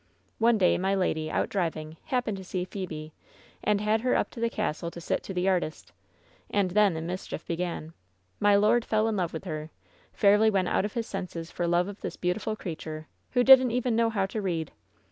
One day my lady, out driving, happened to see Phebe, and had her up to the castle to sit to the artist. And then the mischief began. My lord fell in love with her. Fairly went out of his senses for love of this beautiful creature, who didn't even know how to read.